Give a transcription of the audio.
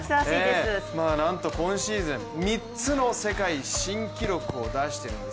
なんと今シーズン３つの世界新記録を出してるんです。